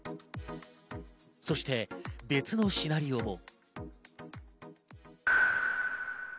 そして別のシナリオも。